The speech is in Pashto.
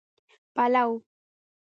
پلو